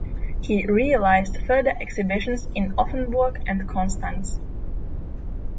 He realised further exhibitions in Offenburg and Konstanz.